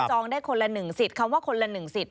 จองได้คนละหนึ่งสิทธิ์คำว่าคนละหนึ่งสิทธิ์